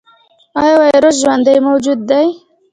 ایا ویروس ژوندی موجود دی؟